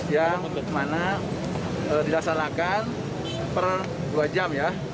yang mana dilaksanakan per dua jam